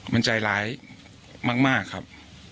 มันใจร้ายมากครับ